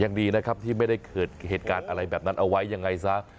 ดีนะครับที่ไม่ได้เกิดเหตุการณ์อะไรแบบนั้นเอาไว้ยังไงซะ